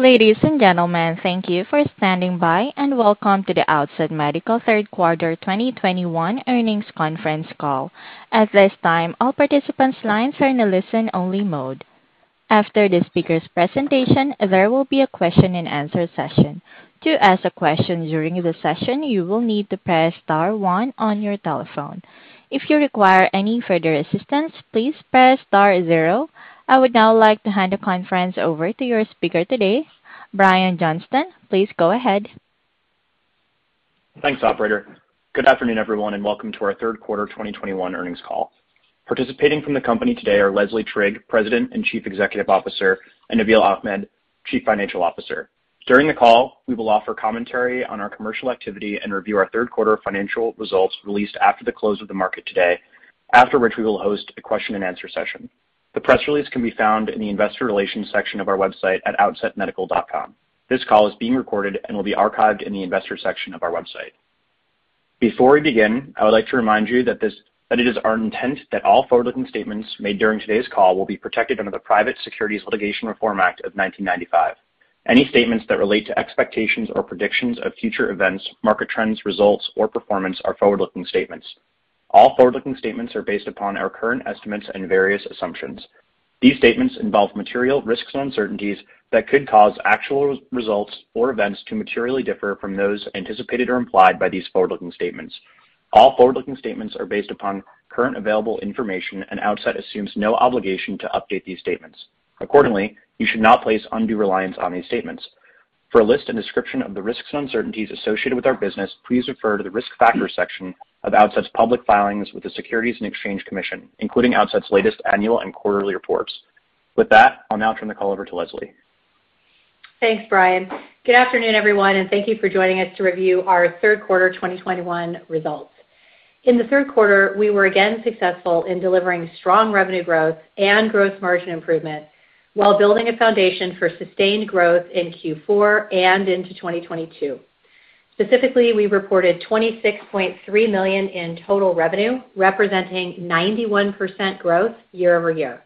Ladies and gentlemen, thank you for standing by, and welcome to the Outset Medical third quarter 2021 earnings conference call. At this time, all participants' lines are in a listen-only mode. After the speaker's presentation, there will be a question-and-answer session. To ask a question during the session, you will need to press star one on your telephone. If you require any further assistance, please press star zero. I would now like to hand the conference over to your speaker today, Brian Johnston. Please go ahead. Thanks, operator. Good afternoon, everyone, and welcome to our third quarter 2021 earnings call. Participating from the company today are Leslie Trigg, President and Chief Executive Officer, and Nabeel Ahmed, Chief Financial Officer. During the call, we will offer commentary on our commercial activity and review our third quarter financial results released after the close of the market today. After which, we will host a question-and-answer session. The press release can be found in the investor relations section of our website at outsetmedical.com. This call is being recorded and will be archived in the investors section of our website. Before we begin, I would like to remind you that that it is our intent that all forward-looking statements made during today's call will be protected under the Private Securities Litigation Reform Act of 1995. Any statements that relate to expectations or predictions of future events, market trends, results, or performance are forward-looking statements. All forward-looking statements are based upon our current estimates and various assumptions. These statements involve material risks and uncertainties that could cause actual results or events to materially differ from those anticipated or implied by these forward-looking statements. All forward-looking statements are based upon currently available information, and Outset assumes no obligation to update these statements. Accordingly, you should not place undue reliance on these statements. For a list and description of the risks and uncertainties associated with our business, please refer to the Risk Factors section of Outset's public filings with the Securities and Exchange Commission, including Outset's latest annual and quarterly reports. With that, I'll now turn the call over to Leslie. Thanks, Brian. Good afternoon, everyone, and thank you for joining us to review our third quarter 2021 results. In the third quarter, we were again successful in delivering strong revenue growth and gross margin improvement while building a foundation for sustained growth in Q4 and into 2022. Specifically, we reported $26.3 million in total revenue, representing 91% growth year-over-year.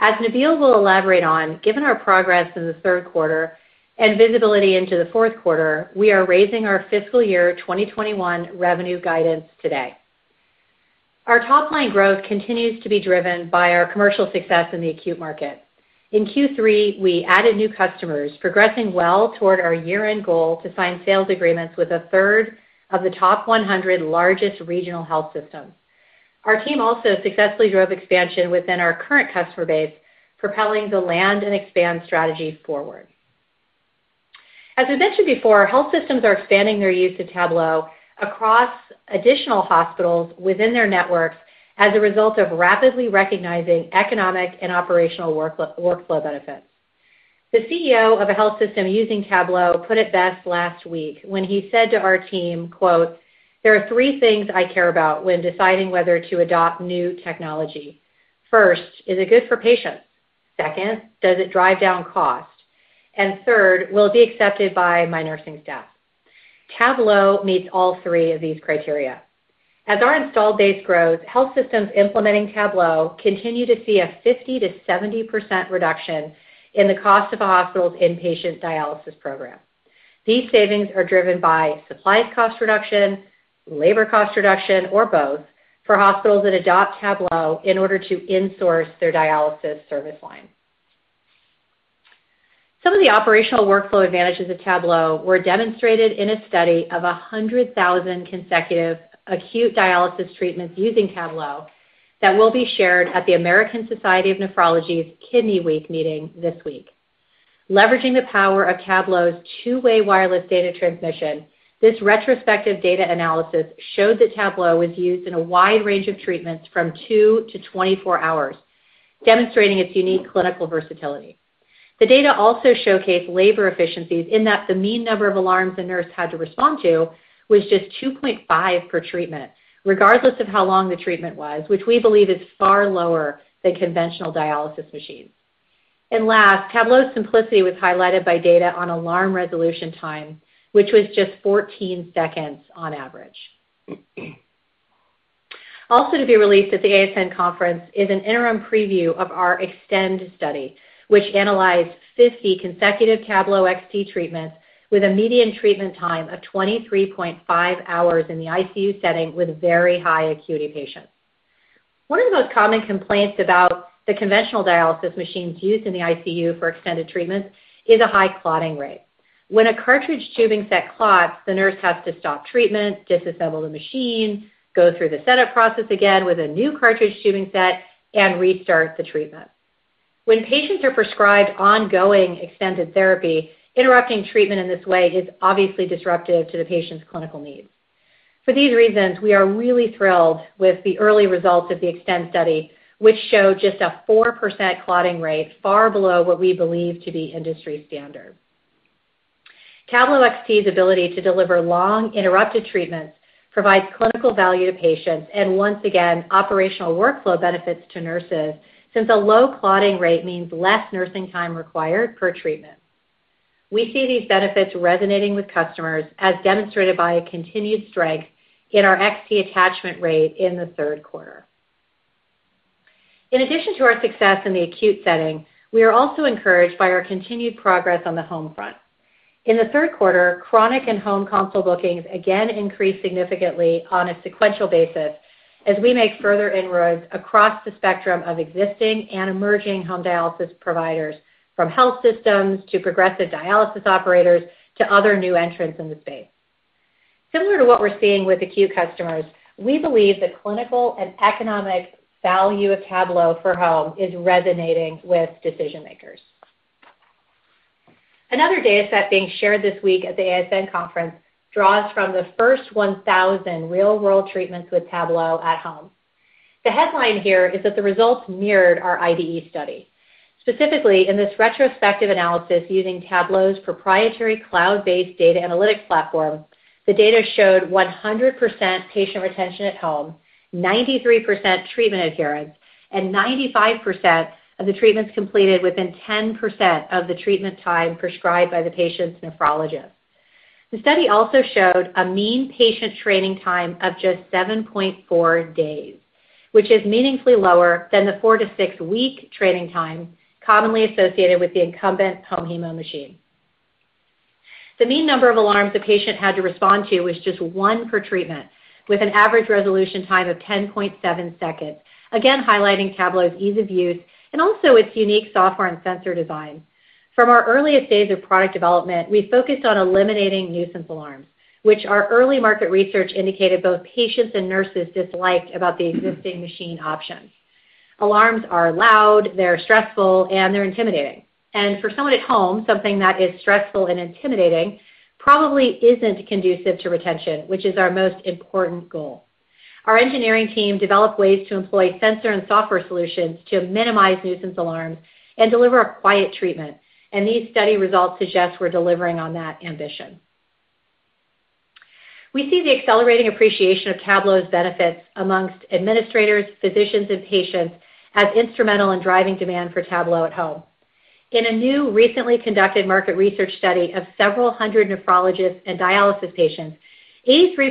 As Nabeel will elaborate on, given our progress in the third quarter and visibility into the fourth quarter, we are raising our fiscal year 2021 revenue guidance today. Our top-line growth continues to be driven by our commercial success in the acute market. In Q3, we added new customers, progressing well toward our year-end goal to sign sales agreements with a third of the top 100 largest regional health systems. Our team also successfully drove expansion within our current customer base, propelling the land and expand strategy forward. As I mentioned before, health systems are expanding their use of Tablo across additional hospitals within their networks as a result of rapidly recognizing economic and operational workflow benefits. The CEO of a health system using Tablo put it best last week when he said to our team, quote, "There are three things I care about when deciding whether to adopt new technology. First, is it good for patients? Second, does it drive down cost? And third, will it be accepted by my nursing staff?" Tablo meets all three of these criteria. As our installed base grows, health systems implementing Tablo continue to see a 50%-70% reduction in the cost of a hospital's inpatient dialysis program. These savings are driven by supplies cost reduction, labor cost reduction, or both for hospitals that adopt Tablo in order to insource their dialysis service line. Some of the operational workflow advantages of Tablo were demonstrated in a study of 100,000 consecutive acute dialysis treatments using Tablo that will be shared at the American Society of Nephrology's Kidney Week meeting this week. Leveraging the power of Tablo's two-way wireless data transmission, this retrospective data analysis showed that Tablo was used in a wide range of treatments from 2-24 hours, demonstrating its unique clinical versatility. The data also showcased labor efficiencies in that the mean number of alarms the nurse had to respond to was just 2.5 per treatment, regardless of how long the treatment was, which we believe is far lower than conventional dialysis machines. Last, Tablo's simplicity was highlighted by data on alarm resolution time, which was just 14 seconds on average. Also to be released at the ASN conference is an interim preview of our EXTEND Study, which analyzed 50 consecutive Tablo XT treatments with a median treatment time of 23.5 hours in the ICU setting with very high acuity patients. One of the most common complaints about the conventional dialysis machines used in the ICU for extended treatments is a high clotting rate. When a cartridge tubing set clots, the nurse has to stop treatment, disassemble the machine, go through the setup process again with a new cartridge tubing set, and restart the treatment. When patients are prescribed ongoing extended therapy, interrupting treatment in this way is obviously disruptive to the patient's clinical needs. For these reasons, we are really thrilled with the early results of the EXTEND Study, which show just a 4% clotting rate, far below what we believe to be industry standard. Tablo XT's ability to deliver long, uninterrupted treatments provides clinical value to patients and, once again, operational workflow benefits to nurses, since a low clotting rate means less nursing time required per treatment. We see these benefits resonating with customers, as demonstrated by a continued strength in our XT attachment rate in the third quarter. In addition to our success in the acute setting, we are also encouraged by our continued progress on the home front. In the third quarter, chronic and home consult bookings again increased significantly on a sequential basis as we make further inroads across the spectrum of existing and emerging home dialysis providers, from health systems to progressive dialysis operators to other new entrants in the space. Similar to what we're seeing with acute customers, we believe the clinical and economic value of Tablo for home is resonating with decision-makers. Another data set being shared this week at the ASN conference draws from the first 1,000 real-world treatments with Tablo at home. The headline here is that the results mirrored our IDE study. Specifically, in this retrospective analysis using Tablo's proprietary cloud-based data analytics platform, the data showed 100% patient retention at home, 93% treatment adherence, and 95% of the treatments completed within 10% of the treatment time prescribed by the patient's nephrologist. The study also showed a mean patient training time of just 7.4 days, which is meaningfully lower than the four to six week training time commonly associated with the incumbent home hemo machine. The mean number of alarms the patient had to respond to was just one per treatment, with an average resolution time of 10.7 seconds, again highlighting Tablo's ease of use and also its unique software and sensor design. From our earliest days of product development, we focused on eliminating nuisance alarms, which our early market research indicated both patients and nurses disliked about the existing machine options. Alarms are loud, they're stressful, and they're intimidating. For someone at home, something that is stressful and intimidating probably isn't conducive to retention, which is our most important goal. Our engineering team developed ways to employ sensor and software solutions to minimize nuisance alarms and deliver a quiet treatment, and these study results suggest we're delivering on that ambition. We see the accelerating appreciation of Tablo's benefits among administrators, physicians, and patients as instrumental in driving demand for Tablo at home. In a new recently conducted market research study of several hundred nephrologists and dialysis patients, 83%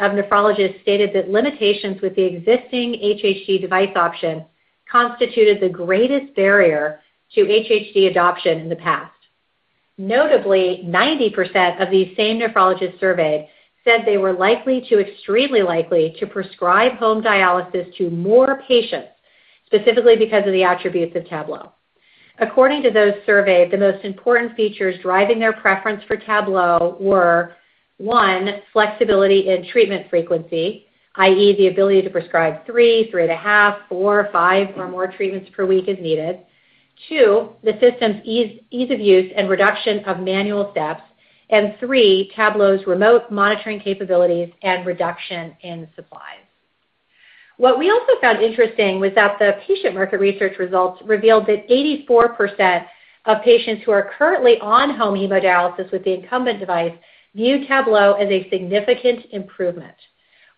of nephrologists stated that limitations with the existing HHD device option constituted the greatest barrier to HHD adoption in the past. Notably, 90% of these same nephrologists surveyed said they were likely to extremely likely to prescribe home dialysis to more patients, specifically because of the attributes of Tablo. According to those surveyed, the most important features driving their preference for Tablo were, one, flexibility in treatment frequency, i.e. The ability to prescribe three, 3.5, four, five or more treatments per week as needed. Two, the system's ease of use and reduction of manual steps. Three, Tablo's remote monitoring capabilities and reduction in supplies. What we also found interesting was that the patient market research results revealed that 84% of patients who are currently on home hemodialysis with the incumbent device view Tablo as a significant improvement,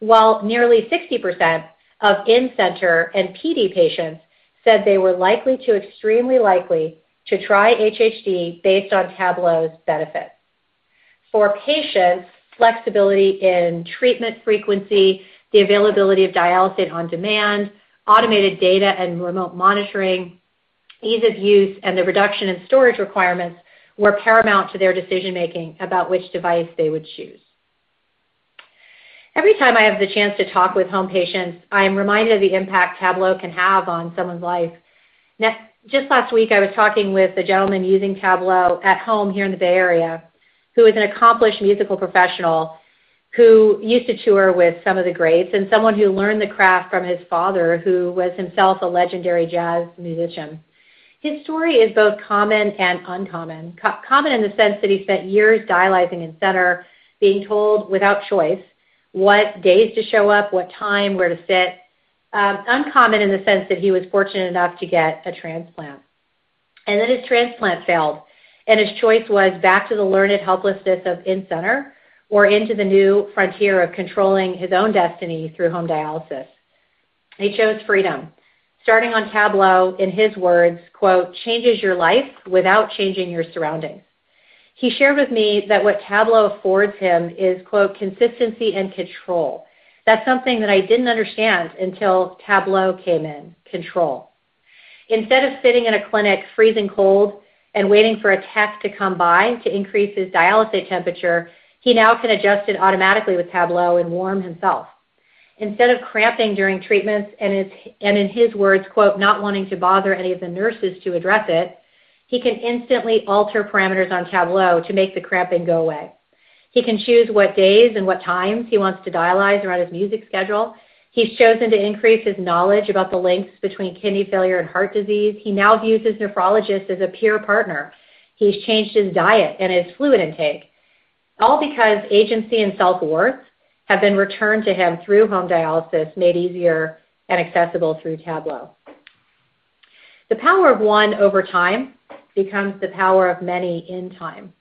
while nearly 60% of in-center and PD patients said they were extremely likely to try HHD based on Tablo's benefits. For patients, flexibility in treatment frequency, the availability of dialysate on demand, automated data and remote monitoring, ease of use, and the reduction in storage requirements were paramount to their decision-making about which device they would choose. Every time I have the chance to talk with home patients, I am reminded of the impact Tablo can have on someone's life. Just last week, I was talking with a gentleman using Tablo at home here in the Bay Area who is an accomplished musical professional who used to tour with some of the greats and someone who learned the craft from his father, who was himself a legendary jazz musician. His story is both common and uncommon. Common in the sense that he spent years dialyzing in center, being told without choice what days to show up, what time, where to sit. Uncommon in the sense that he was fortunate enough to get a transplant. His transplant failed, and his choice was back to the learned helplessness of in-center or into the new frontier of controlling his own destiny through home dialysis. He chose freedom, starting on Tablo, in his words, quote, changes your life without changing your surroundings. He shared with me that what Tablo affords him is, quote, consistency and control. That's something that I didn't understand until Tablo came in, control. Instead of sitting in a clinic freezing cold and waiting for a tech to come by to increase his dialysate temperature, he now can adjust it automatically with Tablo and warm himself. Instead of cramping during treatments and in his words, quote, not wanting to bother any of the nurses to address it, he can instantly alter parameters on Tablo to make the cramping go away. He can choose what days and what times he wants to dialyze around his music schedule. He's chosen to increase his knowledge about the links between kidney failure and heart disease. He now views his nephrologist as a peer partner. He's changed his diet and his fluid intake, all because agency and self-worth have been returned to him through home dialysis made easier and accessible through Tablo. The power of one over time becomes the power of many in time.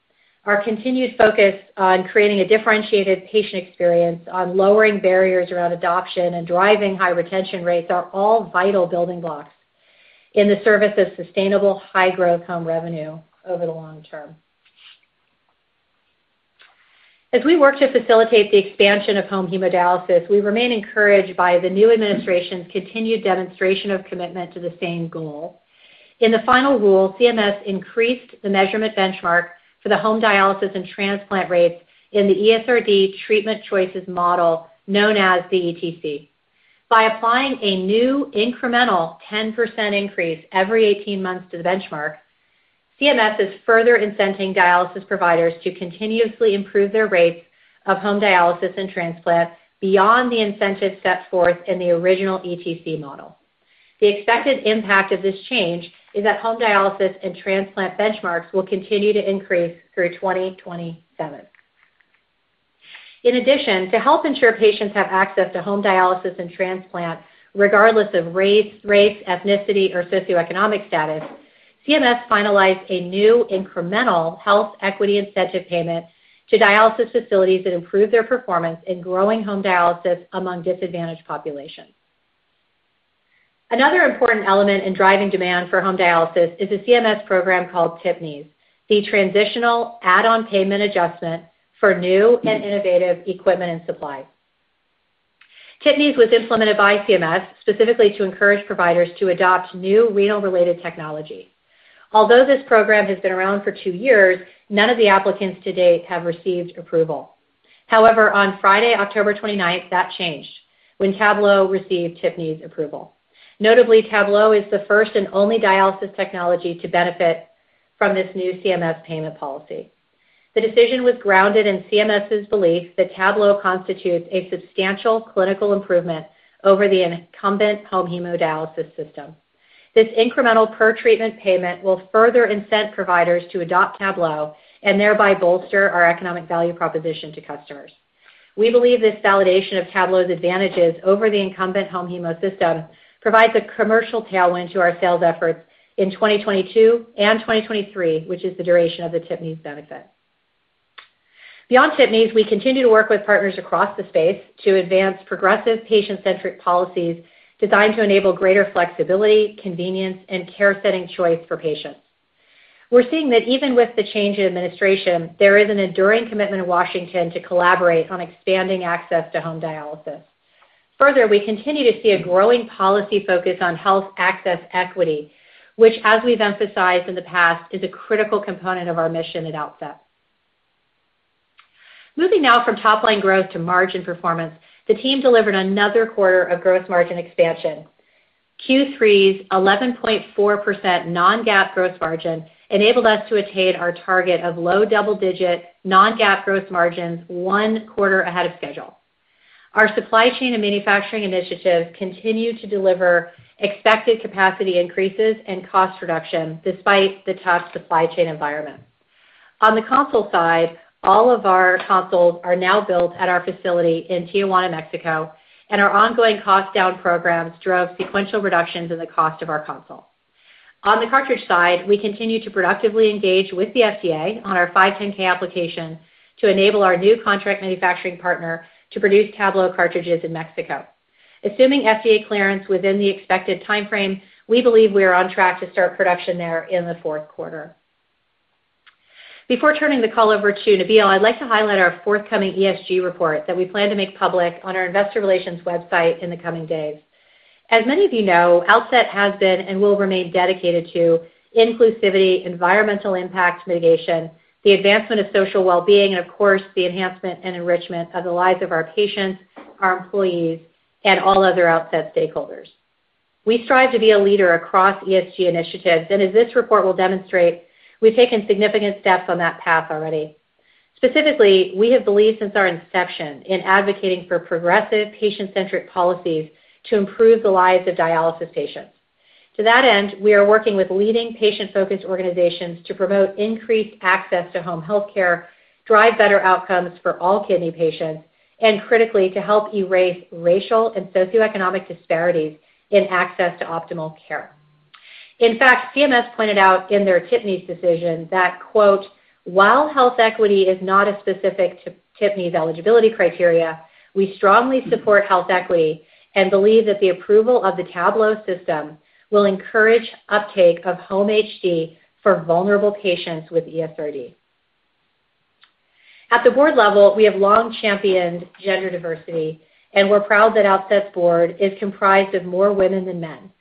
Our continued focus on creating a differentiated patient experience, on lowering barriers around adoption and driving high retention rates are all vital building blocks in the service of sustainable high-growth home revenue over the long term. As we work to facilitate the expansion of home hemodialysis, we remain encouraged by the new administration's continued demonstration of commitment to the same goal. In the final rule, CMS increased the measurement benchmark for the home dialysis and transplant rates in the ESRD Treatment Choices Model, known as the ETC. By applying a new incremental 10% increase every 18 months to the benchmark, CMS is further incenting dialysis providers to continuously improve their rates of home dialysis and transplant beyond the incentive set forth in the original ETC model. The expected impact of this change is that home dialysis and transplant benchmarks will continue to increase through 2027. In addition, to help ensure patients have access to home dialysis and transplant regardless of race, ethnicity, or socioeconomic status, CMS finalized a new incremental health equity incentive payment to dialysis facilities that improve their performance in growing home dialysis among disadvantaged populations. Another important element in driving demand for home dialysis is a CMS program called TPNIES, the Transitional Add-on Payment Adjustment for New and Innovative Equipment and Supplies. TPNIES was implemented by CMS specifically to encourage providers to adopt new renal-related technology. Although this program has been around for two years, none of the applicants to date have received approval. However, on Friday, October twenty-ninth, that changed when Tablo received TPNIES approval. Notably, Tablo is the first and only dialysis technology to benefit from this new CMS payment policy. The decision was grounded in CMS's belief that Tablo constitutes a substantial clinical improvement over the incumbent home hemodialysis system. This incremental per-treatment payment will further incent providers to adopt Tablo and thereby bolster our economic value proposition to customers. We believe this validation of Tablo's advantages over the incumbent home hemo system provides a commercial tailwind to our sales efforts in 2022 and 2023, which is the duration of the TPNIES benefit. Beyond TPNIES, we continue to work with partners across the space to advance progressive patient-centric policies designed to enable greater flexibility, convenience, and care setting choice for patients. We're seeing that even with the change in administration, there is an enduring commitment in Washington to collaborate on expanding access to home dialysis. Further, we continue to see a growing policy focus on health access equity, which as we've emphasized in the past, is a critical component of our mission at Outset. Moving now from top-line growth to margin performance, the team delivered another quarter of gross margin expansion. Q3's 11.4% non-GAAP gross margin enabled us to attain our target of low double-digit non-GAAP gross margins one quarter ahead of schedule. Our supply chain and manufacturing initiatives continue to deliver expected capacity increases and cost reduction despite the tough supply chain environment. On the console side, all of our consoles are now built at our facility in Tijuana, Mexico, and our ongoing cost down programs drove sequential reductions in the cost of our console. On the cartridge side, we continue to productively engage with the FDA on our 510(k) application to enable our new contract manufacturing partner to produce Tablo cartridges in Mexico. Assuming FDA clearance within the expected timeframe, we believe we are on track to start production there in the fourth quarter. Before turning the call over to Nabeel, I'd like to highlight our forthcoming ESG report that we plan to make public on our investor relations website in the coming days. As many of you know, Outset has been and will remain dedicated to inclusivity, environmental impact mitigation, the advancement of social well-being, and of course, the enhancement and enrichment of the lives of our patients, our employees, and all other Outset stakeholders. We strive to be a leader across ESG initiatives, and as this report will demonstrate, we've taken significant steps on that path already. Specifically, we have believed since our inception in advocating for progressive patient-centric policies to improve the lives of dialysis patients. To that end, we are working with leading patient-focused organizations to promote increased access to home health care, drive better outcomes for all kidney patients, and critically, to help erase racial and socioeconomic disparities in access to optimal care. In fact, CMS pointed out in their TPNIES decision that, quote, "While health equity is not a specific TPNIES eligibility criteria, we strongly support health equity and believe that the approval of the Tablo system will encourage uptake of home HD for vulnerable patients with ESRD." At the board level, we have long championed gender diversity, and we're proud that Outset's board is comprised of more women than men,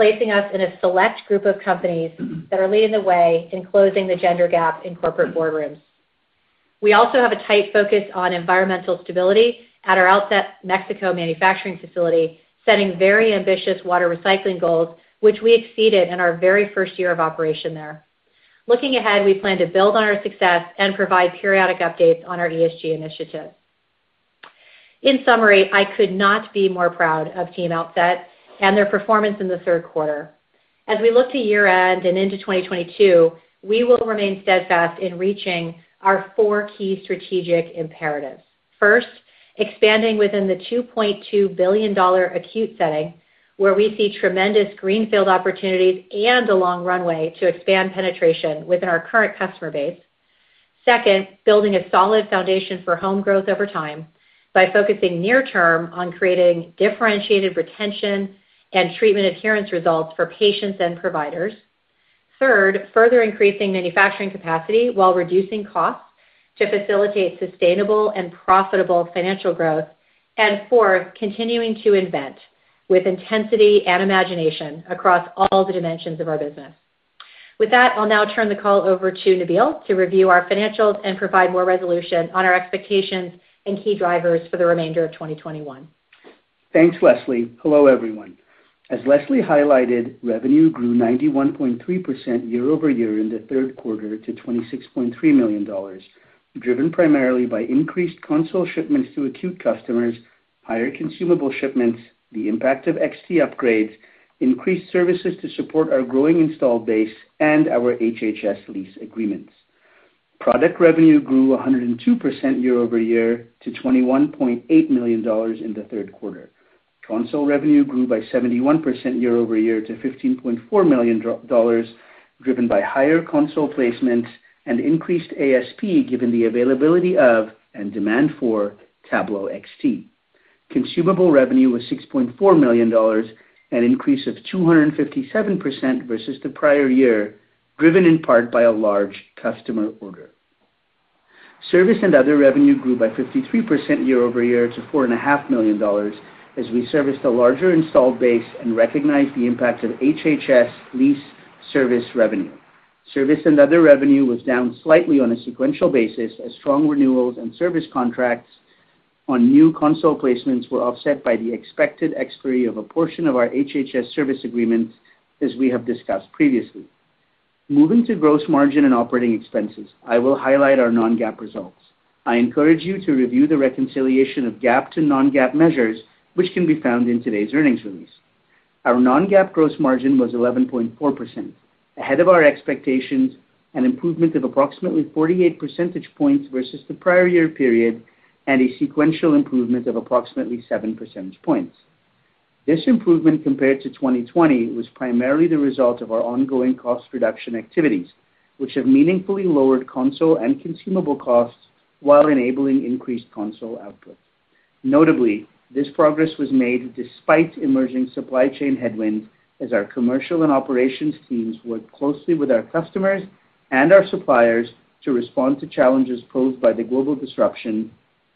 placing us in a select group of companies that are leading the way in closing the gender gap in corporate boardrooms. We also have a tight focus on environmental stability at our Outset Mexico manufacturing facility, setting very ambitious water recycling goals, which we exceeded in our very first year of operation there. Looking ahead, we plan to build on our success and provide periodic updates on our ESG initiatives. In summary, I could not be more proud of Team Outset and their performance in the third quarter. As we look to year-end and into 2022, we will remain steadfast in reaching our four key strategic imperatives. First, expanding within the $2.2 billion acute setting where we see tremendous greenfield opportunities and a long runway to expand penetration within our current customer base. Second, building a solid foundation for home growth over time by focusing near term on creating differentiated retention and treatment adherence results for patients and providers. Third, further increasing manufacturing capacity while reducing costs to facilitate sustainable and profitable financial growth. Fourth, continuing to invent with intensity and imagination across all the dimensions of our business. With that, I'll now turn the call over to Nabeel to review our financials and provide more resolution on our expectations and key drivers for the remainder of 2021. Thanks, Leslie. Hello, everyone. As Leslie highlighted, revenue grew 91.3% year-over-year in the third quarter to $26.3 million, driven primarily by increased console shipments to acute customers, higher consumable shipments, the impact of XT upgrades, increased services to support our growing installed base, and our HHS lease agreements. Product revenue grew 102% year-over-year to $21.8 million in the third quarter. Console revenue grew by 71% year-over-year to $15.4 million, driven by higher console placements and increased ASP, given the availability of and demand for Tablo XT. Consumable revenue was $6.4 million, an increase of 257% versus the prior year, driven in part by a large customer order. Service and other revenue grew by 53% year-over-year to $4.5 million as we serviced a larger installed base and recognized the impact of HHS lease service revenue. Service and other revenue was down slightly on a sequential basis as strong renewals and service contracts on new console placements were offset by the expected expiry of a portion of our HHS service agreements, as we have discussed previously. Moving to gross margin and operating expenses, I will highlight our non-GAAP results. I encourage you to review the reconciliation of GAAP to non-GAAP measures, which can be found in today's earnings release. Our non-GAAP gross margin was 11.4%, ahead of our expectations, an improvement of approximately 48 percentage points versus the prior year period, and a sequential improvement of approximately 7 percentage points. This improvement compared to 2020 was primarily the result of our ongoing cost reduction activities, which have meaningfully lowered console and consumable costs while enabling increased console output. Notably, this progress was made despite emerging supply chain headwinds, as our commercial and operations teams worked closely with our customers and our suppliers to respond to challenges posed by the global disruption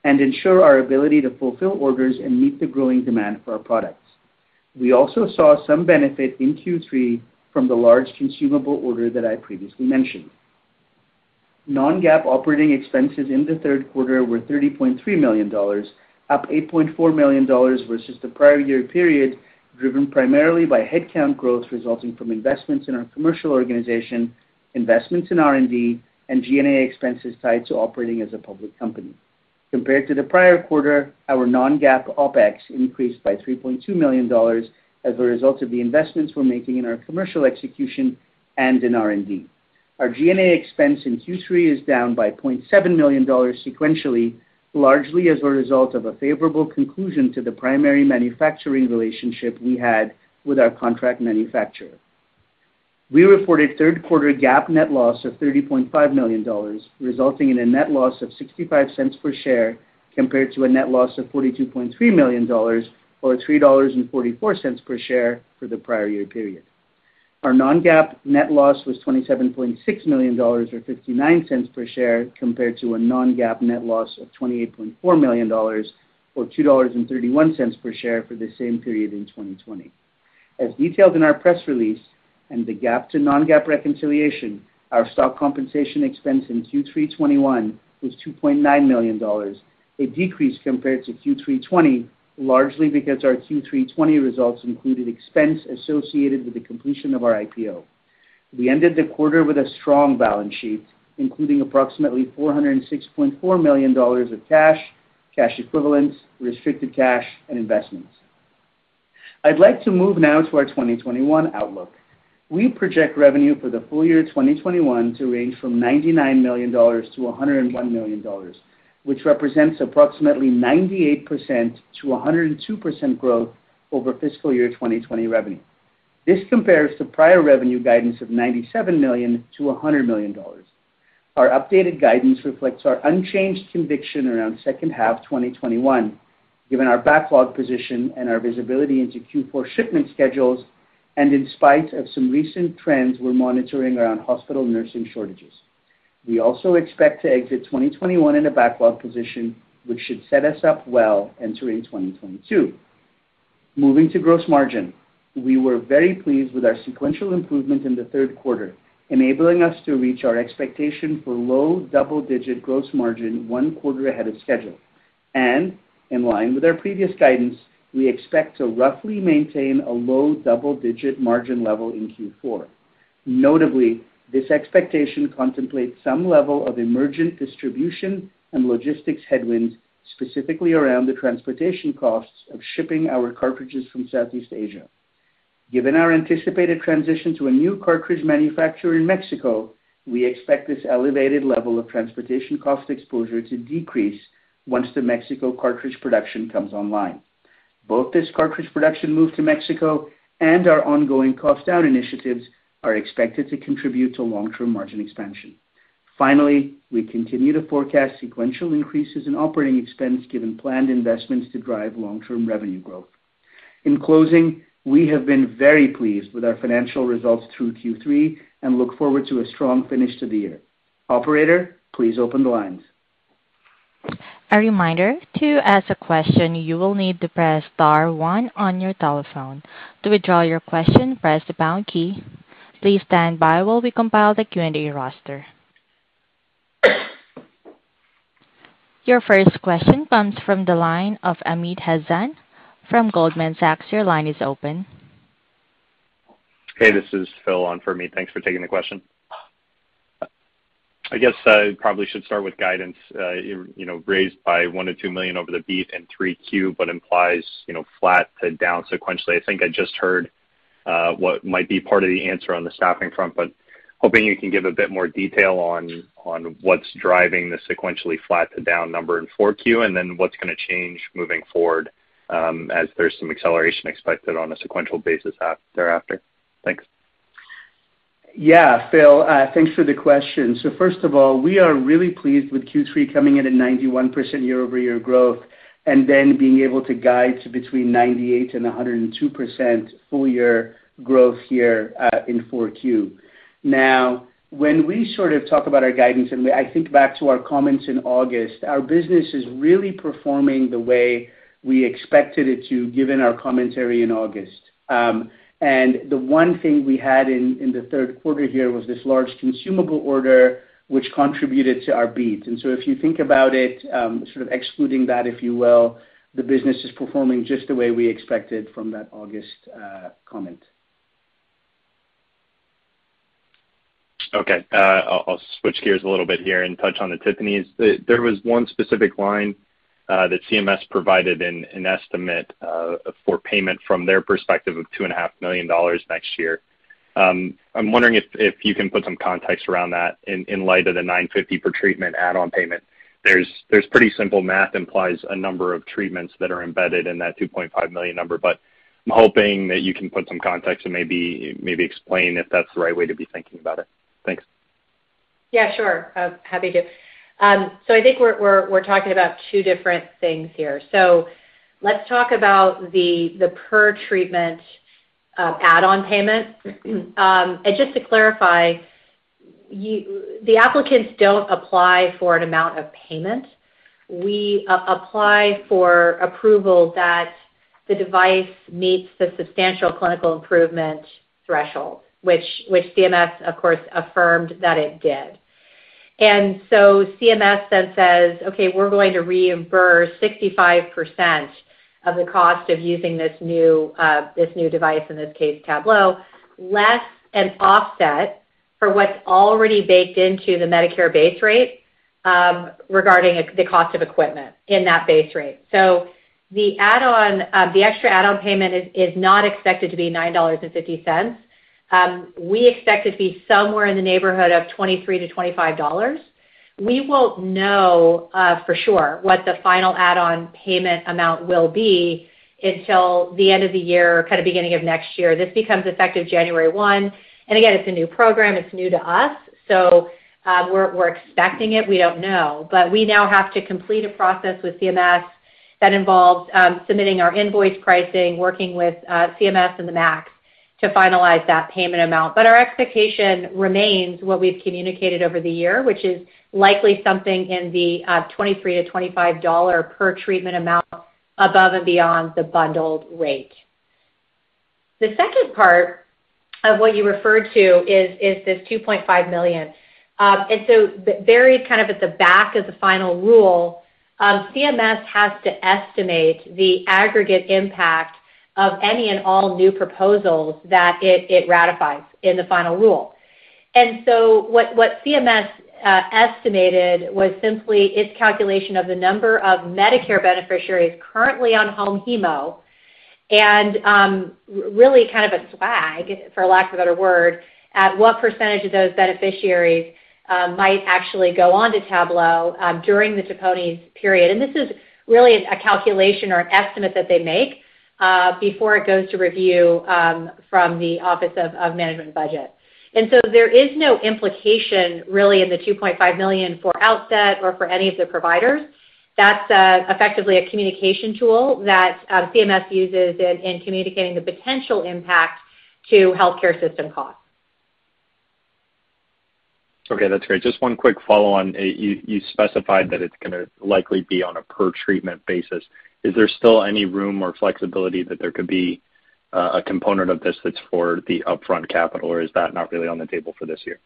and ensure our ability to fulfill orders and meet the growing demand for our products. We also saw some benefit in Q3 from the large consumable order that I previously mentioned. non-GAAP operating expenses in the third quarter were $30.3 million, up $8.4 million versus the prior year period, driven primarily by headcount growth resulting from investments in our commercial organization, investments in R&D, and G&A expenses tied to operating as a public company. Compared to the prior quarter, our non-GAAP OpEx increased by $3.2 million as a result of the investments we're making in our commercial execution and in R&D. Our G&A expense in Q3 is down by $0.7 million sequentially, largely as a result of a favorable conclusion to the primary manufacturing relationship we had with our contract manufacturer. We reported third quarter GAAP net loss of $30.5 million, resulting in a net loss of $0.65 per share, compared to a net loss of $42.3 million or $3.44 per share for the prior year period. Our non-GAAP net loss was $27.6 million, or $0.59 per share, compared to a non-GAAP net loss of $28.4 million or $2.31 per share for the same period in 2020. As detailed in our press release and the GAAP to non-GAAP reconciliation, our stock compensation expense in Q3 2021 was $2.9 million, a decrease compared to Q3 2020, largely because our Q3 2020 results included expense associated with the completion of our IPO. We ended the quarter with a strong balance sheet, including approximately $406.4 million of cash equivalents, restricted cash and investments. I'd like to move now to our 2021 outlook. We project revenue for the full year 2021 to range from $99 million to $101 million, which represents approximately 98%-102% growth over fiscal year 2020 revenue. This compares to prior revenue guidance of $97 million-$100 million. Our updated guidance reflects our unchanged conviction around second half 2021, given our backlog position and our visibility into Q4 shipment schedules, and in spite of some recent trends we're monitoring around hospital nursing shortages. We also expect to exit 2021 in a backlog position which should set us up well entering 2022. Moving to gross margin. We were very pleased with our sequential improvement in the third quarter, enabling us to reach our expectation for low double-digit gross margin one quarter ahead of schedule. In line with our previous guidance, we expect to roughly maintain a low double-digit margin level in Q4. Notably, this expectation contemplates some level of emergent distribution and logistics headwinds, specifically around the transportation costs of shipping our cartridges from Southeast Asia. Given our anticipated transition to a new cartridge manufacturer in Mexico, we expect this elevated level of transportation cost exposure to decrease once the Mexico cartridge production comes online. Both this cartridge production move to Mexico and our ongoing cost out initiatives are expected to contribute to long-term margin expansion. Finally, we continue to forecast sequential increases in operating expense given planned investments to drive long-term revenue growth. In closing, we have been very pleased with our financial results through Q3 and look forward to a strong finish to the year. Operator, please open the lines. A reminder, to ask a question, you will need to press star one on your telephone. To withdraw your question, press the pound key. Please stand by while we compile the Q&A roster. Your first question comes from the line of Amit Hazan from Goldman Sachs. Your line is open. Hey, this is Phil on for me. Thanks for taking the question. I guess I probably should start with guidance, you know, raised by $1 million-$2 million over the beat in Q3, but implies, you know, flat to down sequentially. I think I just heard what might be part of the answer on the staffing front, but hoping you can give a bit more detail on what's driving the sequentially flat to down number in Q4, and then what's gonna change moving forward, as there's some acceleration expected on a sequential basis thereafter. Thanks. Yeah. Phil, thanks for the question. First of all, we are really pleased with Q3 coming in at 91% year-over-year growth, and then being able to guide to between 98% and 102% full year growth here in Q4. When we sort of talk about our guidance, I think back to our comments in August, our business is really performing the way we expected it to given our commentary in August. The one thing we had in the third quarter here was this large consumable order, which contributed to our beat. If you think about it, sort of excluding that, if you will, the business is performing just the way we expected from that August comment. Okay. I'll switch gears a little bit here and touch on the TPNIES. There was one specific line that CMS provided in an estimate for payment from their perspective of $2.5 million next year. I'm wondering if you can put some context around that in light of the $950 per treatment add-on payment. There's pretty simple math implies a number of treatments that are embedded in that $2.5 million number, but I'm hoping that you can put some context and maybe explain if that's the right way to be thinking about it. Thanks. Yeah, sure. Happy to. I think we're talking about two different things here. Let's talk about the per treatment add-on payment. Just to clarify, the applicants don't apply for an amount of payment. We apply for approval that the device meets the substantial clinical improvement threshold, which CMS, of course, affirmed that it did. CMS then says, "Okay, we're going to reimburse 65% of the cost of using this new device," in this case, Tablo, "less an offset for what's already baked into the Medicare base rate, regarding the cost of equipment in that base rate." The add-on, the extra add-on payment is not expected to be $9.50. We expect it to be somewhere in the neighborhood of $23-$25. We won't know for sure what the final add-on payment amount will be until the end of the year, kind of beginning of next year. This becomes effective January 1. Again, it's a new program. It's new to us. We're expecting it. We don't know. But we now have to complete a process with CMS that involves submitting our invoice pricing, working with CMS and the MACs to finalize that payment amount. But our expectation remains what we've communicated over the year, which is likely something in the $23-$25 per treatment amount above and beyond the bundled rate. The second part of what you referred to is this $2.5 million. Buried kind of at the back of the final rule, CMS has to estimate the aggregate impact of any and all new proposals that it ratifies in the final rule. What CMS estimated was simply its calculation of the number of Medicare beneficiaries currently on home hemo and really kind of a swag, for lack of a better word, at what percentage of those beneficiaries might actually go on to Tablo during the TPNIES period. This is really a calculation or an estimate that they make before it goes to review from the Office of Management and Budget. There is no implication really in the $2.5 million for Outset or for any of the providers. That's effectively a communication tool that CMS uses in communicating the potential impact to healthcare system costs. Okay. That's great. Just one quick follow-on. You specified that it's gonna likely be on a per treatment basis. Is there still any room or flexibility that there could be a component of this that's for the upfront capital, or is that not really on the table for this year?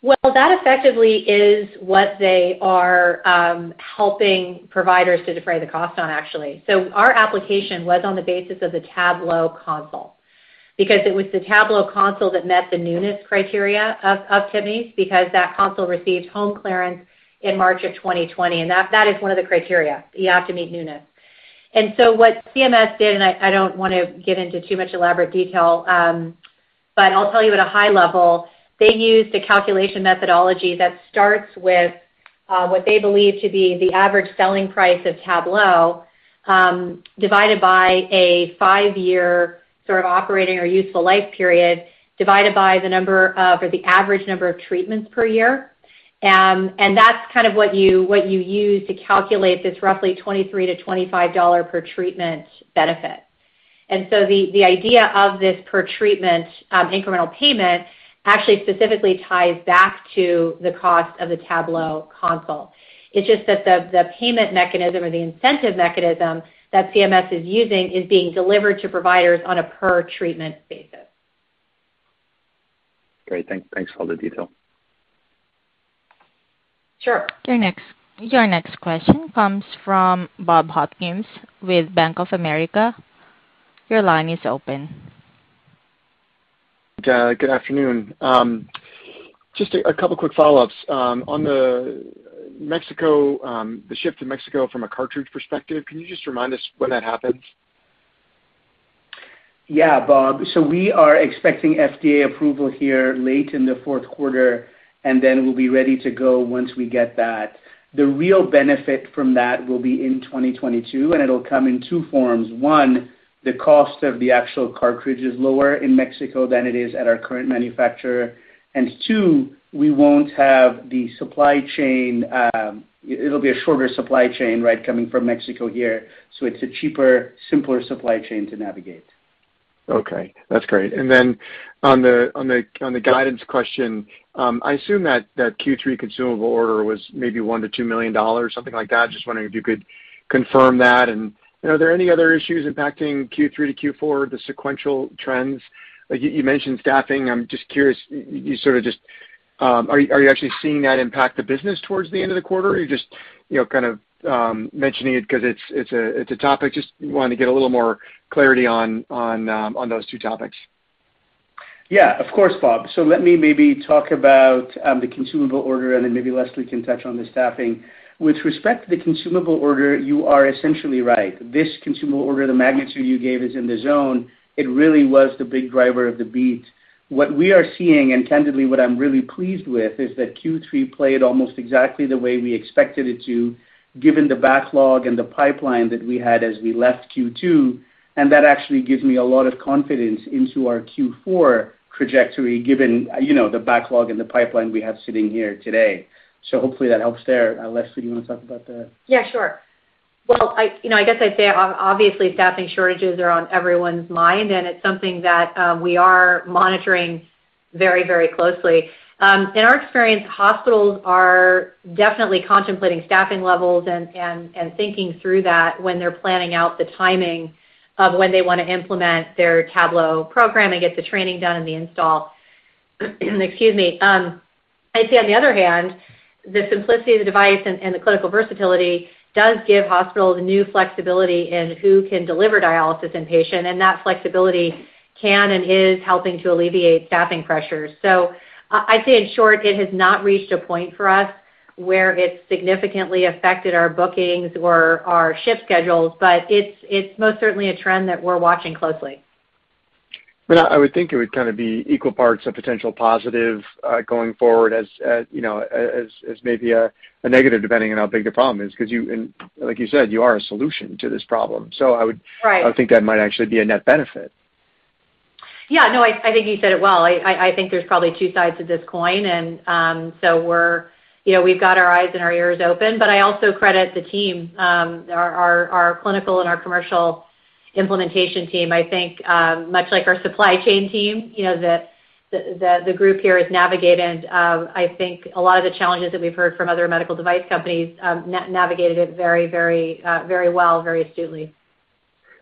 Well, that effectively is what they are, helping providers to defray the cost on actually. Our application was on the basis of the Tablo console because it was the Tablo console that met the newness criteria of TPNIES because that console received home clearance in March 2020, and that is one of the criteria. You have to meet newness. What CMS did, and I don't want to get into too much detail, but I'll tell you at a high level, they used a calculation methodology that starts with what they believe to be the average selling price of Tablo, divided by a five-year sort of operating or useful life period, divided by the average number of treatments per year. That's kind of what you use to calculate this roughly $23-$25 per treatment benefit. The idea of this per-treatment incremental payment actually specifically ties back to the cost of the Tablo console. It's just that the payment mechanism or the incentive mechanism that CMS is using is being delivered to providers on a per treatment basis. Great. Thanks for all the detail. Sure. Your next question comes from Bob Hopkins with Bank of America. Your line is open. Yeah, good afternoon. Just a couple quick follow-ups. On the Mexico, the shift to Mexico from a cartridge perspective, can you just remind us when that happens? Yeah, Bob. We are expecting FDA approval here late in the fourth quarter, and then we'll be ready to go once we get that. The real benefit from that will be in 2022, and it'll come in two forms. One, the cost of the actual cartridge is lower in Mexico than it is at our current manufacturer. And two, we won't have the supply chain. It'll be a shorter supply chain, right, coming from Mexico here. It's a cheaper, simpler supply chain to navigate. Okay, that's great. On the guidance question, I assume that Q3 consumable order was maybe $1 million-$2 million, something like that. Just wondering if you could confirm that. You know, are there any other issues impacting Q3 to Q4, the sequential trends? Like you mentioned staffing. I'm just curious, are you actually seeing that impact the business towards the end of the quarter, or you just, you know, kind of mentioning it 'cause it's a topic? Just want to get a little more clarity on those two topics. Yeah, of course, Bob. Let me maybe talk about the consumable order, and then maybe Leslie can touch on the staffing. With respect to the consumable order, you are essentially right. This consumable order, the magnitude you gave is in the zone. It really was the big driver of the beat. What we are seeing, and candidly, what I'm really pleased with, is that Q3 played almost exactly the way we expected it to, given the backlog and the pipeline that we had as we left Q2, and that actually gives me a lot of confidence into our Q4 trajectory, given, you know, the backlog and the pipeline we have sitting here today. Hopefully that helps there. Leslie, do you wanna talk about that? Yeah, sure. Well, I, you know, I guess I'd say obviously staffing shortages are on everyone's mind, and it's something that we are monitoring very, very closely. In our experience, hospitals are definitely contemplating staffing levels and thinking through that when they're planning out the timing of when they wanna implement their Tablo program and get the training done and the install. Excuse me. I'd say on the other hand, the simplicity of the device and the clinical versatility does give hospitals new flexibility in who can deliver dialysis inpatient, and that flexibility can and is helping to alleviate staffing pressures. I'd say in short, it has not reached a point for us where it's significantly affected our bookings or our ship schedules, but it's most certainly a trend that we're watching closely. I would think it would kind of be equal parts a potential positive, going forward as you know, as maybe a negative, depending on how big the problem is. 'Cause you, and like you said, you are a solution to this problem. I would- Right. I would think that might actually be a net benefit. Yeah, no, I think you said it well. I think there's probably two sides to this coin. We've got our eyes and our ears open. I also credit the team, our clinical and our commercial implementation team. I think, much like our supply chain team, you know, the group here has navigated, I think a lot of the challenges that we've heard from other medical device companies, navigated it very well, very astutely.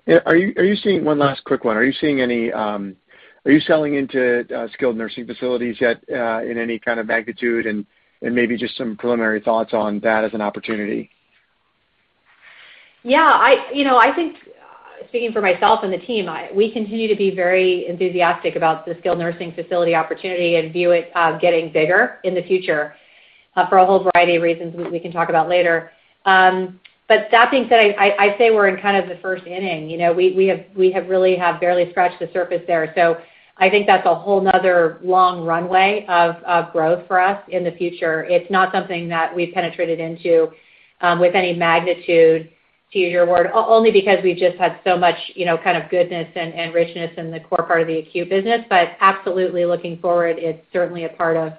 Yeah. One last quick one. Are you selling into skilled nursing facilities yet in any kind of magnitude? Maybe just some preliminary thoughts on that as an opportunity. Yeah, you know, I think, speaking for myself and the team, we continue to be very enthusiastic about the skilled nursing facility opportunity and view it getting bigger in the future for a whole variety of reasons we can talk about later. Staffing, I'd say we're in kind of the first inning. You know, we have really barely scratched the surface there. I think that's a whole nother long runway of growth for us in the future. It's not something that we've penetrated into with any magnitude, to use your word, only because we've just had so much, you know, kind of goodness and richness in the core part of the acute business. Absolutely looking forward, it's certainly a part of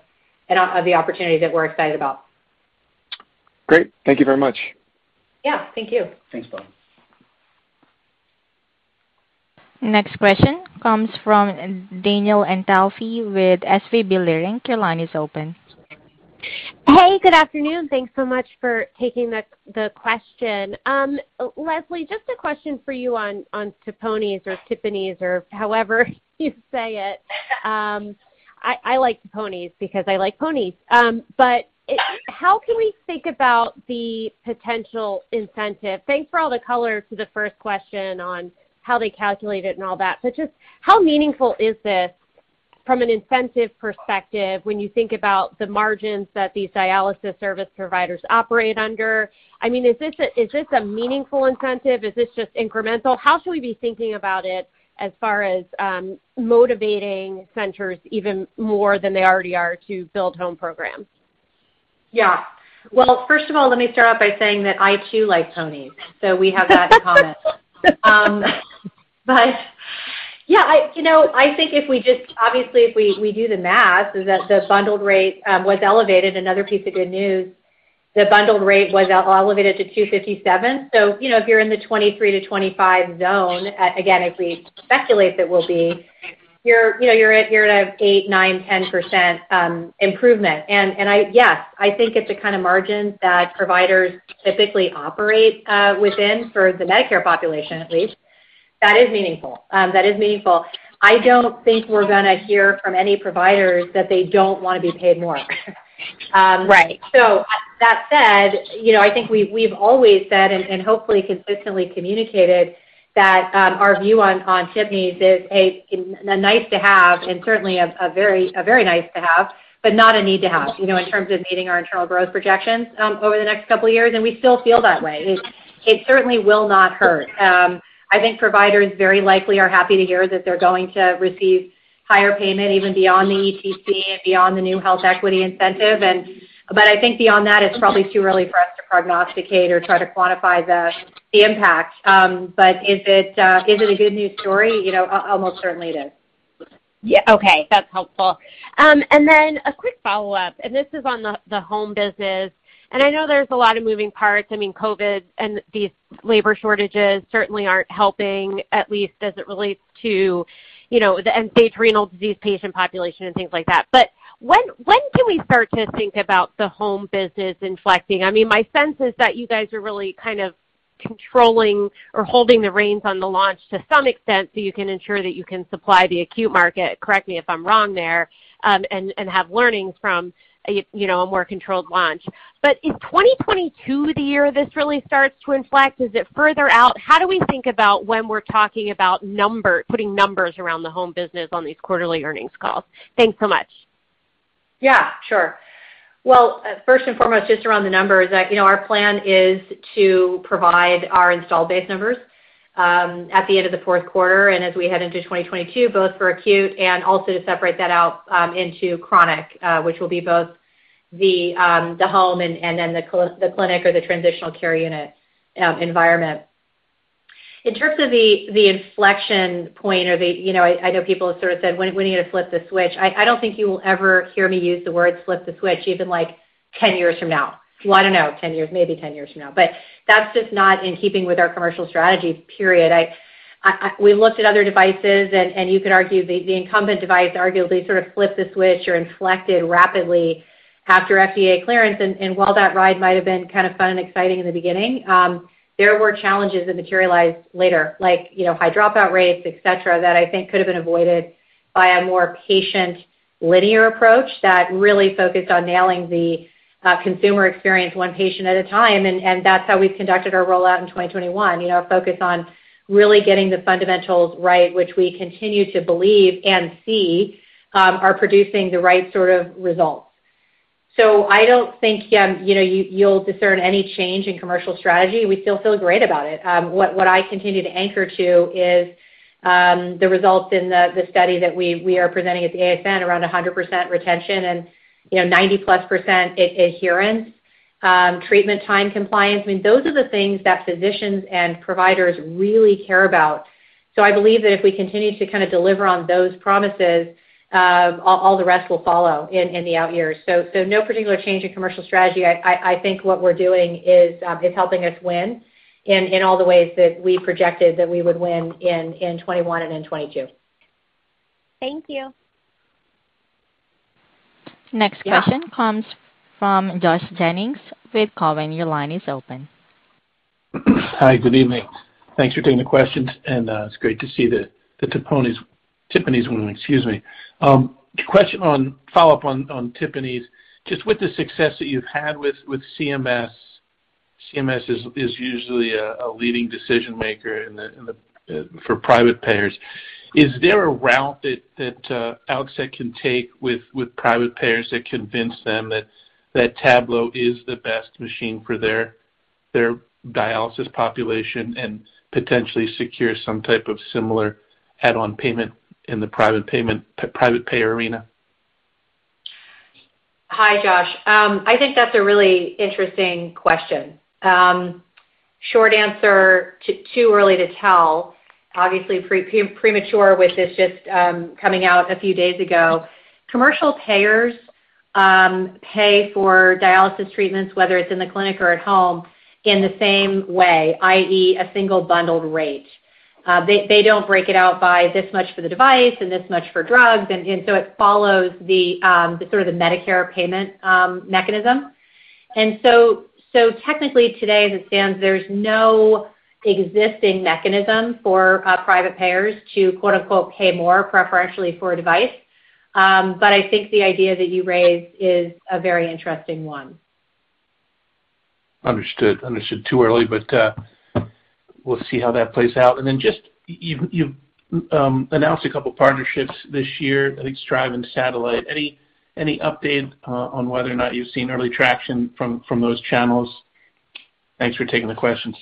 the opportunity that we're excited about. Great. Thank you very much. Yeah, thank you. Thanks, Bob. Next question comes from Danielle Antalffy with SVB Leerink. Your line is open. Hey, good afternoon. Thanks so much for taking the question. Leslie, just a question for you on TPNIES or TPNIES, or however you say it. I like TPNIES because I like ponies. But how can we think about the potential incentive? Thanks for all the color to the first question on how they calculate it and all that. But just how meaningful is this from an incentive perspective when you think about the margins that these dialysis service providers operate under? I mean, is this a meaningful incentive? Is this just incremental? How should we be thinking about it as far as motivating centers even more than they already are to build home programs? Yeah. Well, first of all, let me start off by saying that I too like ponies, so we have that in common. Yeah, I think obviously if we do the math, the bundled rate was elevated. Another piece of good news, the bundled rate was elevated to $257. So, you know, if you're in the $23-$25 zone, again, if we speculate that we'll be, you're at 8%-10% improvement. Yes, I think it's the kind of margin that providers typically operate within for the Medicare population, at least. That is meaningful. I don't think we're gonna hear from any providers that they don't wanna be paid more. Right. That said, you know, I think we've always said, and hopefully consistently communicated that, our view on TPNIES is a nice to have and certainly a very nice to have, but not a need to have, you know, in terms of meeting our internal growth projections, over the next couple of years, and we still feel that way. It certainly will not hurt. I think providers very likely are happy to hear that they're going to receive higher payment even beyond the ETC and beyond the new health equity incentive. I think beyond that, it's probably too early for us to prognosticate or try to quantify the impact. Is it a good news story? You know, almost certainly it is. Yeah. Okay. That's helpful. That's a quick follow-up, and this is on the home business. I know there's a lot of moving parts. I mean, COVID and these labor shortages certainly aren't helping, at least as it relates to, you know, the end-stage renal disease patient population and things like that. When do we start to think about the home business inflecting? I mean, my sense is that you guys are really kind of controlling or holding the reins on the launch to some extent so you can ensure that you can supply the acute market. Correct me if I'm wrong there, and have learnings from a, you know, a more controlled launch. Is 2022 the year this really starts to inflect? Is it further out? How do we think about when we're talking about putting numbers around the home business on these quarterly earnings calls? Thanks so much. Yeah, sure. Well, first and foremost, just around the numbers, you know, our plan is to provide our installed base numbers, at the end of the fourth quarter and as we head into 2022, both for acute and also to separate that out, into chronic, which will be both the home and then the clinic or the transitional care unit environment. In terms of the inflection point, you know, I know people have sort of said, "When are you gonna flip the switch?" I don't think you will ever hear me use the word flip the switch even, like, ten years from now. Well, I don't know, ten years, maybe ten years from now. But that's just not in keeping with our commercial strategy, period. We looked at other devices, and you could argue the incumbent device arguably sort of flipped the switch or inflected rapidly after FDA clearance. While that ride might have been kind of fun and exciting in the beginning, there were challenges that materialized later, like, you know, high dropout rates, et cetera, that I think could have been avoided by a more patient linear approach that really focused on nailing the consumer experience one patient at a time. That's how we've conducted our rollout in 2021. You know, our focus on really getting the fundamentals right, which we continue to believe and see, are producing the right sort of results. I don't think, you know, you'll discern any change in commercial strategy. We still feel great about it. What I continue to anchor to is the results in the study that we are presenting at the ASN around 100% retention and, you know, 90%+ adherence, treatment time compliance. I mean, those are the things that physicians and providers really care about. I believe that if we continue to kind of deliver on those promises, all the rest will follow in the out years. No particular change in commercial strategy. I think what we're doing is helping us win in all the ways that we projected that we would win in 2021 and in 2022. Thank you. Next question. Yeah. Comes from Josh Jennings with Cowen. Your line is open. Hi, good evening. Thanks for taking the questions, and it's great to see the TPNIES win. Excuse me. Follow-up on TPNIES. Just with the success that you've had with CMS is usually a leading decision maker in the for private payers. Is there a route that Outset can take with private payers that convince them that Tablo is the best machine for their dialysis population and potentially secure some type of similar add-on payment in the private payer arena? Hi, Josh. I think that's a really interesting question. Short answer, too early to tell. Obviously premature with this just coming out a few days ago. Commercial payers pay for dialysis treatments, whether it's in the clinic or at home, in the same way, i.e., a single bundled rate. They don't break it out by this much for the device and this much for drugs and so it follows the sort of the Medicare payment mechanism. So technically today as it stands, there's no existing mechanism for private payers to quote-unquote pay more preferentially for a device. But I think the idea that you raised is a very interesting one. Understood. Too early, but we'll see how that plays out. Then just you've announced a couple partnerships this year, I think Strive and Satellite. Any update on whether or not you've seen early traction from those channels? Thanks for taking the questions.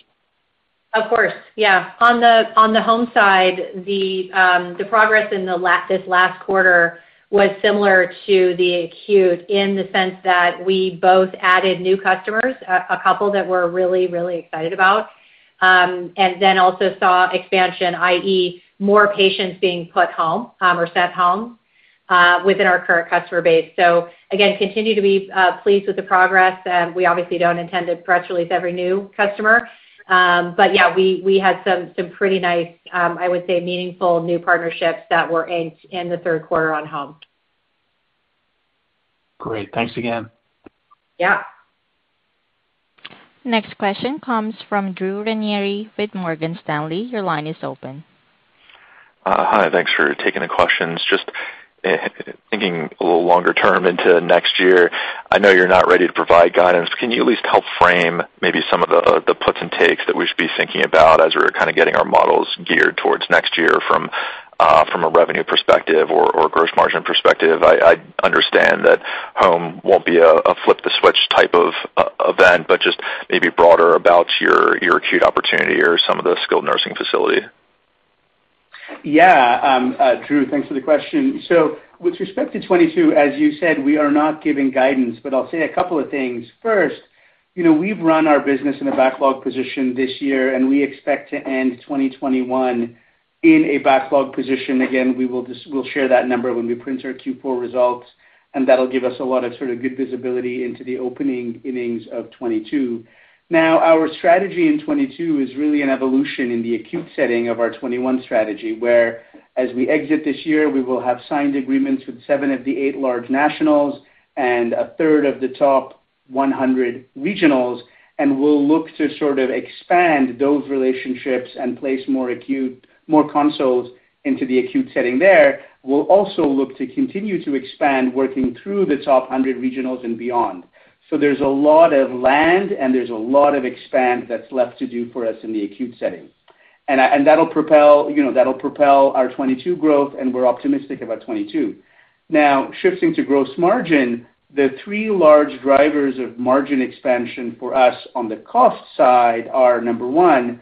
Of course. Yeah. On the home side, the progress in this last quarter was similar to the acute in the sense that we both added new customers, a couple that we're really excited about, and then also saw expansion, i.e., more patients being put home or sent home within our current customer base. Again, continue to be pleased with the progress. We obviously don't intend to press release every new customer. Yeah, we had some pretty nice, I would say, meaningful new partnerships that were inked in the third quarter on home. Great. Thanks again. Yeah. Next question comes from Drew Ranieri with Morgan Stanley. Your line is open. Hi. Thanks for taking the questions. Just thinking a little longer term into next year, I know you're not ready to provide guidance. Can you at least help frame maybe some of the puts and takes that we should be thinking about as we're kinda getting our models geared towards next year from a revenue perspective or gross margin perspective. I understand that Home won't be a flip the switch type of event, but just maybe broader about your acute opportunity or some of the skilled nursing facility. Drew, thanks for the question. With respect to 2022, as you said, we are not giving guidance, but I'll say a couple of things. First, you know, we've run our business in a backlog position this year, and we expect to end 2021 in a backlog position. Again, we'll share that number when we print our Q4 results, and that'll give us a lot of sort of good visibility into the opening innings of 2022. Now, our strategy in 2022 is really an evolution in the acute setting of our 2021 strategy. As we exit this year, we will have signed agreements with seven of the eight large nationals and a third of the top 100 regionals, and we'll look to sort of expand those relationships and place more consoles into the acute setting there. We'll also look to continue to expand working through the top 100 regionals and beyond. There's a lot of land, and there's a lot of expansion that's left to do for us in the acute setting. That'll propel, you know, that'll propel our 2022 growth, and we're optimistic about 2022. Now, shifting to gross margin, the three large drivers of margin expansion for us on the cost side are, number one,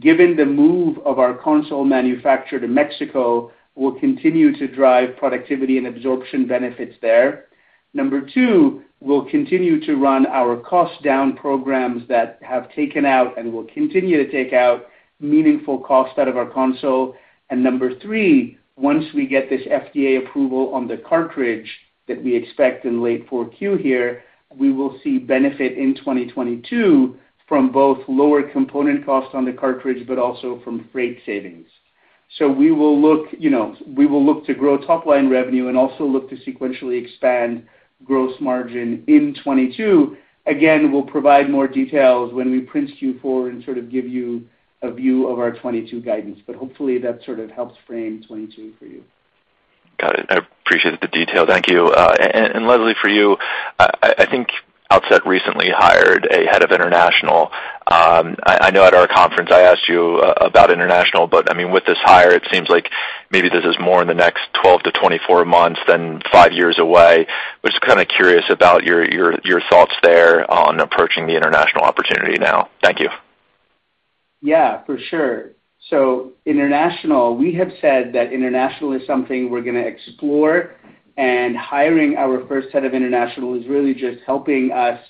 given the move of our console manufacture to Mexico, we'll continue to drive productivity and absorption benefits there. Number two, we'll continue to run our cost down programs that have taken out and will continue to take out meaningful cost out of our console. Number three, once we get this FDA approval on the cartridge that we expect in late Q4 here, we will see benefit in 2022 from both lower component costs on the cartridge, but also from freight savings. We will look, you know, to grow top line revenue and also look to sequentially expand gross margin in 2022. Again, we'll provide more details when we print Q4 and sort of give you a view of our 2022 guidance. Hopefully that sort of helps frame 2022 for you. Got it. I appreciate the detail. Thank you. And Leslie, for you, I think Outset recently hired a head of international. I know at our conference I asked you about international, but I mean, with this hire, it seems like maybe this is more in the next 12-24 months than five years away. I was kind of curious about your thoughts there on approaching the international opportunity now. Thank you. Yeah, for sure. International, we have said that international is something we're gonna explore, and hiring our first head of international is really just helping us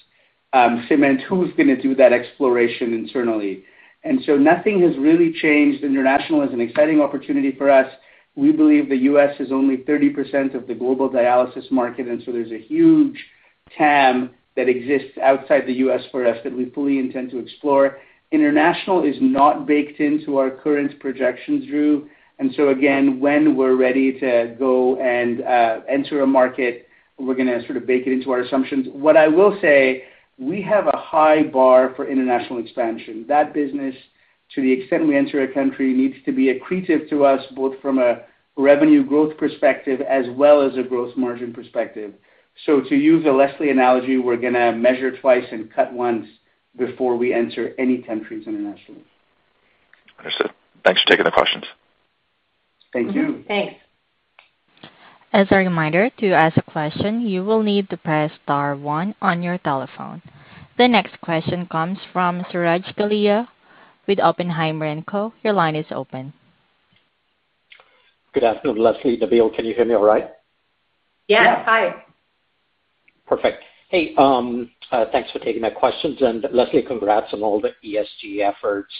cement who's gonna do that exploration internally. Nothing has really changed. International is an exciting opportunity for us. We believe the U.S. is only 30% of the global dialysis market, and there's a huge TAM that exists outside the U.S. for us that we fully intend to explore. International is not baked into our current projections, Drew. Again, when we're ready to go and enter a market, we're gonna sort of bake it into our assumptions. What I will say, we have a high bar for international expansion. That business, to the extent we enter a country, needs to be accretive to us both from a revenue growth perspective as well as a growth margin perspective. To use a Leslie analogy, we're gonna measure twice and cut once before we enter any countries internationally. Understood. Thanks for taking the questions. Thank you. Mm-hmm. Thanks. As a reminder, to ask a question, you will need to press star one on your telephone. The next question comes from Suraj Kalia with Oppenheimer & Co. Your line is open. Good afternoon, Leslie, Nabeel. Can you hear me all right? Yes. Hi. Perfect. Hey, thanks for taking my questions. Leslie, congrats on all the ESG efforts.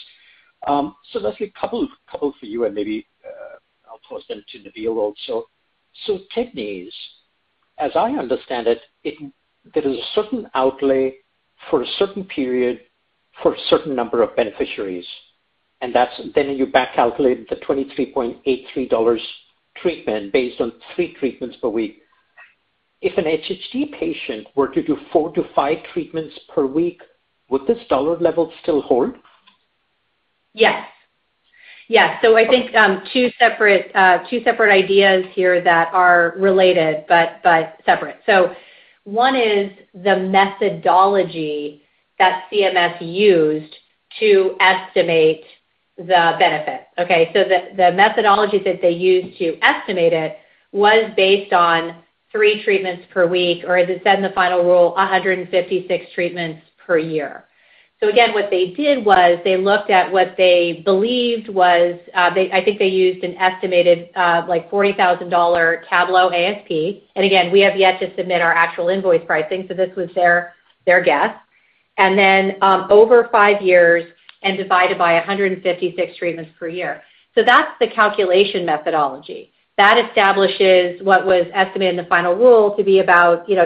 Leslie, couple for you, and maybe, I'll toss them to Nabeel also. TPNIES, as I understand it, there is a certain outlay for a certain period for a certain number of beneficiaries, and then you back calculate the $23.83 treatment based on three treatments per week. If an HHD patient were to do four to five treatments per week, would this dollar level still hold? Yes. I think two separate ideas here that are related but separate. One is the methodology that CMS used to estimate the benefit. Okay. The methodology that they used to estimate it was based on three treatments per week, or as it said in the final rule, 156 treatments per year. Again, what they did was they looked at what they believed was. I think they used an estimated like $40,000 Tablo ASP. Again, we have yet to submit our actual invoice pricing, so this was their guess. Then over five years and divided by 156 treatments per year. That's the calculation methodology. That establishes what was estimated in the final rule to be about, you know,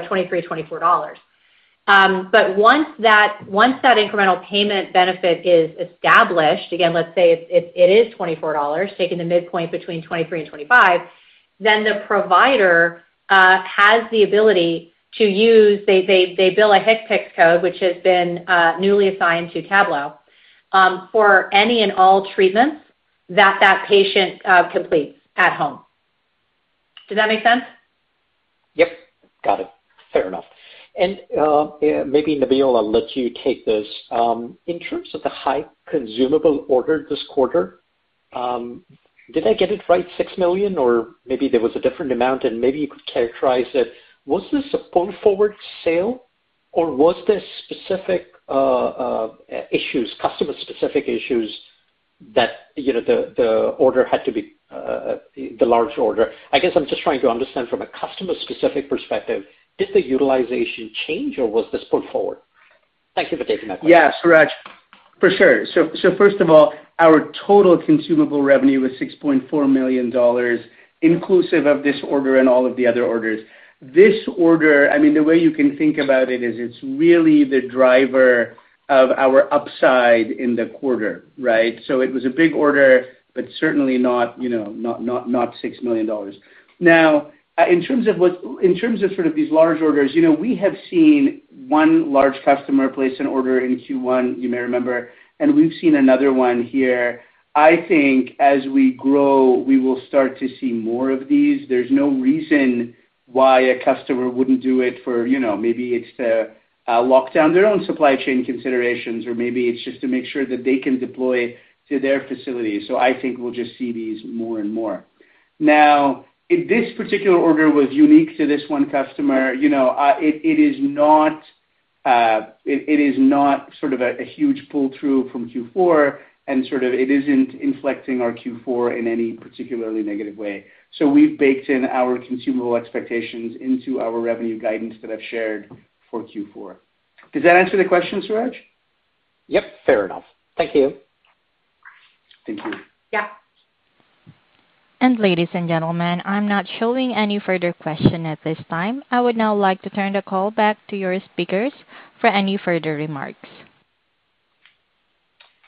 $23-$24. Once that incremental payment benefit is established, again, let's say it is $24, taking the midpoint between $23 and $25, then the provider has the ability to bill a HCPCS code, which has been newly assigned to Tablo, for any and all treatments that patient completes at home. Does that make sense? Yep, got it. Fair enough. Yeah, maybe Nabeel, I'll let you take this. In terms of the high consumable order this quarter, did I get it right, $6 million? Or maybe there was a different amount, and maybe you could characterize it. Was this a pull-forward sale, or was this specific issues, customer-specific issues that, you know, the order had to be the large order? I guess I'm just trying to understand from a customer-specific perspective, did the utilization change, or was this pulled forward? Thank you for taking my question. Yeah, Suraj, for sure. First of all, our total consumable revenue was $6.4 million inclusive of this order and all of the other orders. This order, I mean, the way you can think about it is it's really the driver of our upside in the quarter, right? It was a big order, but certainly not, you know, $6 million. Now, in terms of sort of these large orders, you know, we have seen one large customer place an order in Q1, you may remember, and we've seen another one here. I think as we grow, we will start to see more of these. There's no reason why a customer wouldn't do it for, you know, maybe it's to lock down their own supply chain considerations, or maybe it's just to make sure that they can deploy to their facilities. I think we'll just see these more and more. Now, this particular order was unique to this one customer. You know, it is not sort of a huge pull-through from Q4 and sort of it isn't inflicting our Q4 in any particularly negative way. We've baked in our consumable expectations into our revenue guidance that I've shared for Q4. Does that answer the question, Suraj? Yep, fair enough. Thank you. Thank you. Yeah. Ladies and gentlemen, I'm not showing any further question at this time. I would now like to turn the call back to your speakers for any further remarks.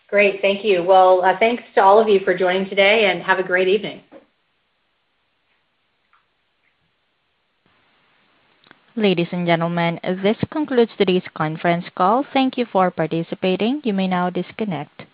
Great. Thank you. Well, thanks to all of you for joining today, and have a great evening. Ladies and gentlemen, this concludes today's conference call. Thank you for participating. You may now disconnect.